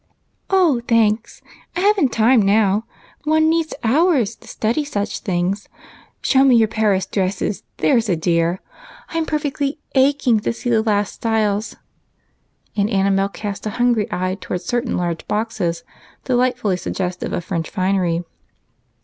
"Oh, thanks! I haven't time now one needs hours to study such things. Show me your Paris dresses, there's a dear I'm perfectly aching to see the last styles," and Annabel cast a hungry eye toward certain large boxes delightfully suggestive of French finery.